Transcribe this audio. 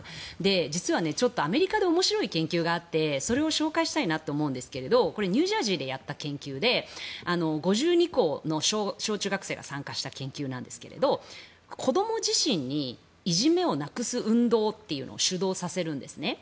実はアメリカで面白い研究があってそれを紹介したいなと思うんですけれどこれはニュージャージーでやった研究で５２校の小中学生が参加した研究なんですが子ども自身にいじめをなくす運動というのを主導させるんですね。